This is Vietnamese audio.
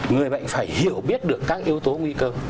người bệnh phải hiểu biết được các yếu tố nguy cơ